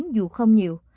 dù không nhiều